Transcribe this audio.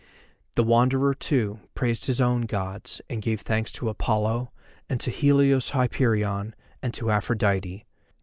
The Wanderer, too, praised his own Gods, and gave thanks to Apollo, and to Helios Hyperion, and to Aphrodite.